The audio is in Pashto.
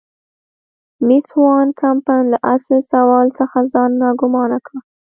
مېس وان کمپن له اصل سوال څخه ځان ناګومانه کړ.